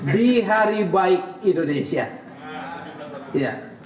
di hari baik indonesia